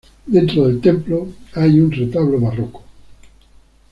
Dentro del templo, hay un retablo barroco.